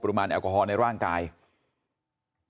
แต่ว่าผมก็ขอโทษอย่างนี้ครับ